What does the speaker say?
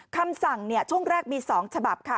คำสั่งเนี่ยช่วงแรกมีสองฉบับค่ะ